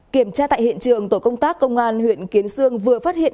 kiểm tra tại hiện trường tổ công tác công an huyện kiến sương vừa phát hiện